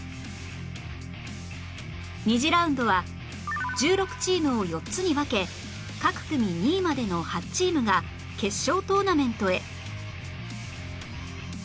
２次ラウンドは１６チームを４つに分け各組２位までの８チームが決勝トーナメントへ